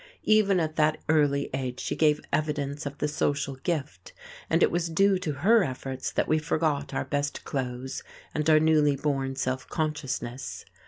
Even at that early age she gave evidence of the social gift, and it was due to her efforts that we forgot our best clothes and our newly born self consciousness.